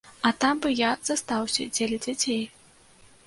А там бы я застаўся дзеля дзяцей.